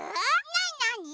なになに？